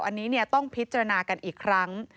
อันนี้ต้องพิจารณากันอีกครั้ง